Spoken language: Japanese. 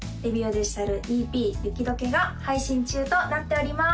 デジタルＥＰ「ユキドケ」が配信中となっております